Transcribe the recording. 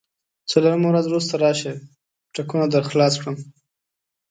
څلورمه ورځ وروسته راشه، ټکونه درخلاص کړم.